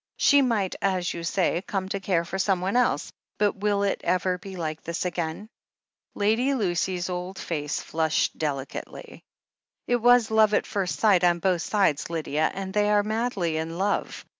She might, as you say, come to care for someone else — ^but will it ever be like this again ?" Lady Lucy's old face flushed delicately. "It was love at first sight on both sides, Lydia — and they are madly in love.